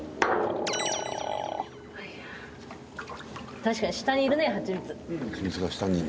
確かに下にいるねハチミツ。